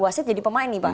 wased jadi pemain nih pak